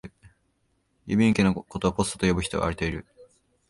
郵便受けのことをポストと呼ぶ人はわりといる